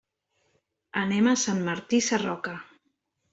Anem a Sant Martí Sarroca.